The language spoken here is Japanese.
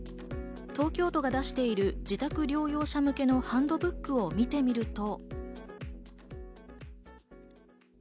東京都が出している自宅療養者向けのハンドブックを見てみると。